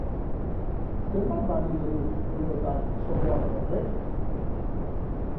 Zenbat balio du, eurotan, software horrek?